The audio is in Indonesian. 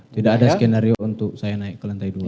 tidak ada skenario untuk saya naik ke lantai dua